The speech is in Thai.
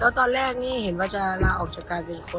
แล้วตอนแรกนี่เห็นว่าจะลาออกจากการเป็นคนเลยเหรอคะ